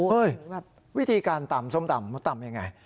เฮ้ยวิธีการตำส้มตำตำยังไง